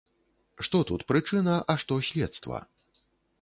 Што тут прычына, а што следства?